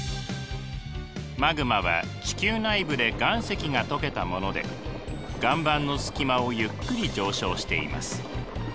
マグマは地球内部で岩石が溶けたもので岩盤の隙間をゆっくり上昇しています。